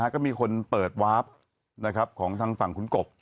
ก็มีคนเปิดวาร์ฟของทางฝั่งคุณกบ